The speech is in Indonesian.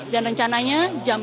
dan rencananya jam